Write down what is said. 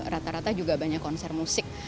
rata rata juga banyak konser musik